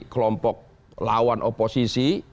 kelompok lawan oposisi